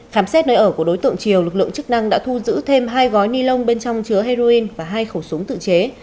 khám xét nơi ở của đối tượng triều lực lượng chức năng đã thu giữ thêm hai gói ni lông bên trong chứa heroin và hai khẩu súng tự chế